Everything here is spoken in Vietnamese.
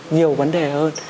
nhiều vấn đề hơn